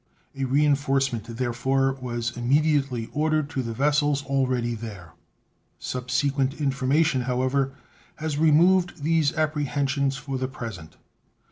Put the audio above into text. A reenforcement, therefore, was immediately ordered to the vessels already there. Subsequent information, however, has removed these apprehensions for the present.